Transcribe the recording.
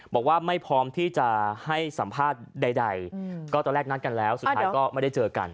บอกว่าไม่พร้อมที่จะให้สัมภาษณ์ใดก็ตอนแรกนัดกันแล้วสุดท้ายก็ไม่ได้เจอกัน